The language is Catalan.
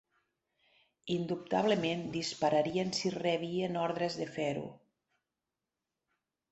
Indubtablement dispararien si rebien ordres de fer-ho